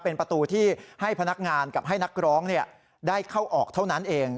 เป็นประตูที่ให้พนักงานกับให้นักร้องได้เข้าออกเท่านั้นเอง